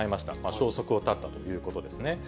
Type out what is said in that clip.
消息を絶ったということですね。